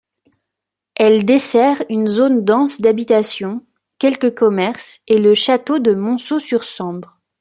Elle dessert une zone dense d'habitations, quelques commerces et le château de Monceau-sur-Sambre.